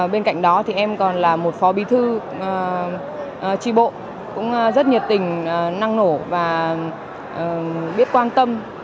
bên cạnh đó thì em còn là một phó bí thư tri bộ cũng rất nhiệt tình năng nổ và biết quan tâm